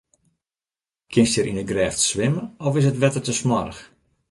Kinst hjir yn 'e grêft swimme of is it wetter te smoarch?